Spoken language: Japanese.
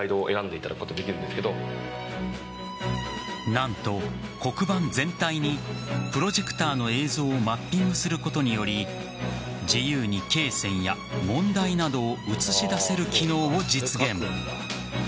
何と、黒板全体にプロジェクターの映像をマッピングすることにより自由にけい線や問題などを映し出せる機能を実現。